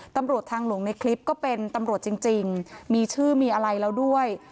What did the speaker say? ตำรวจทางหลวงในคลิปก็เป็นตำรวจจริงมีชื่อมีอะไรแล้วด้วย